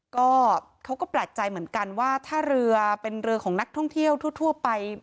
ก็เขาก็แปลกใจเหมือนกันว่าถ้าเรือเป็นเรือของนักท่องเที่ยวทั่วไป